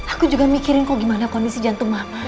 aku juga mikirin kok gimana kondisi jantung aku